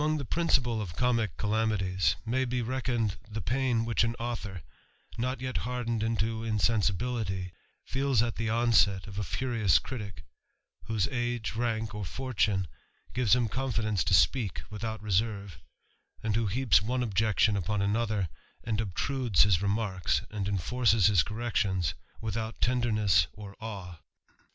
179 ' 'the principal of comick calamities, may be 1 the pain which an author, not yet hardened into bility, feels at the onset of a furious critick, whose nk, or fortune, gives him confidence to speak without ; who heaps one objection upon another, and ss his remarks, and enforces liis corrections, without less or awe.